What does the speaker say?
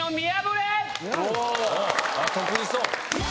得意そう。